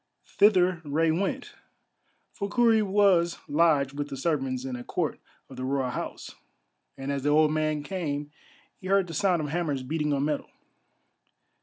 Thither Rei went, for Kurri was lodged with the servants in a court of the Royal House, and as the old man came he heard the sound of hammers beating on metal.